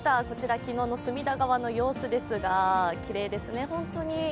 こちら昨日の隅田川の様子ですが、きれいですね、本当に。